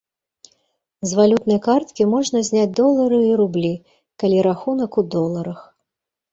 З валютнай карткі можна зняць долары і рублі, калі рахунак у доларах.